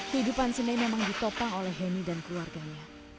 hidupan sine memang ditopang oleh heni dan keluarganya